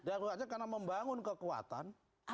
daruratnya karena membangun kekuatan